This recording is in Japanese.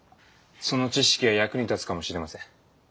その知識が役に立つかもしれません。